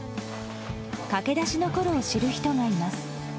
駆け出しのころを知る人がいます。